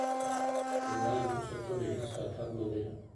آنلاین فرصتونه هېڅ خطر نه لري.